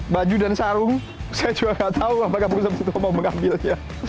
baju dan sarung saya juga tidak tahu apakah pengusaha besi tua mau mengambilnya